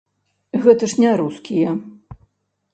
Гэта ж не рускія.